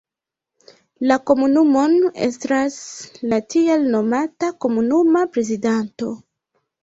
La komunumon estras la tiel nomata komunuma prezidanto.